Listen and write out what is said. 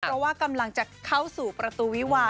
เพราะว่ากำลังจะเข้าสู่ประตูวิวา